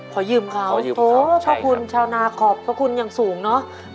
ขอยืมเขาโถพ่อคุณชาวนาขอบพระคุณอย่างสูงเนอะ